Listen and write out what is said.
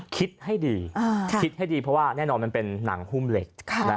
คิดให้ดีคิดให้ดีเพราะว่าแน่นอนมันเป็นหนังหุ้มเหล็ก